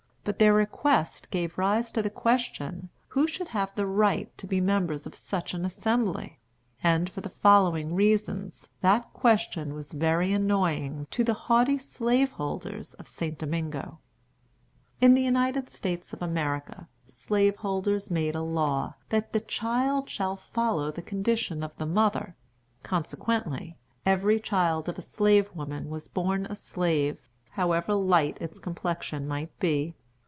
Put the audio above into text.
But their request gave rise to the question who should have the right to be members of such an Assembly; and, for the following reasons, that question was very annoying to the haughty slaveholders of St. Domingo. In the United States of America, slaveholders made a law that "the child shall follow the condition of the mother"; consequently, every child of a slave woman was born a slave, however light its complexion might be.